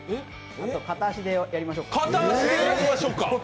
片足でやりましょうか？